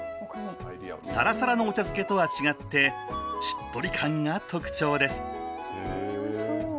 さらさらのお茶漬けとは違ってしっとり感が特徴です。